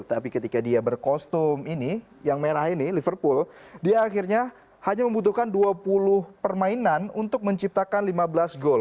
tapi ketika dia berkostum ini yang merah ini liverpool dia akhirnya hanya membutuhkan dua puluh permainan untuk menciptakan lima belas gol